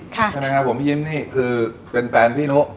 ใช่ไหมครับผมพี่ยิ้มนี่คือเป็นแฟนพี่นุ